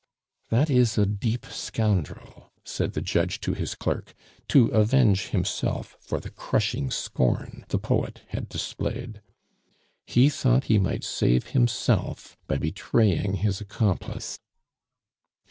"That is a deep scoundrel!" said the judge to his clerk, to avenge himself for the crushing scorn the poet had displayed. "He thought he might save himself by betraying his accomplice."